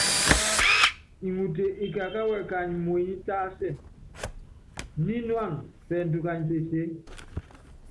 Iŋute ikakáwɛ kányi muenyí tásɛ, nínuána pɛɛndu kanyi pesèe.